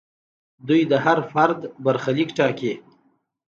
دوی د هر فرد برخلیک ټاکي.